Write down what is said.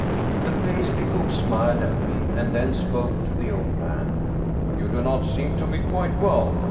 " The pastry cook smiled at me and then spoke to the old man. " You do not seem to be quite well.